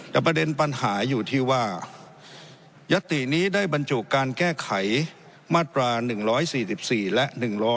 แต่ประเด็นปัญหาอยู่ที่ว่ายัตตินี้ได้บรรจุการแก้ไขมาตรา๑๔๔และ๑๕